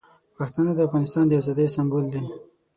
پښتانه د افغانستان د ازادۍ سمبول دي.